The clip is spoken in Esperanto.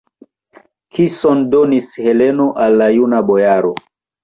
Kison donis Heleno al la juna bojaro!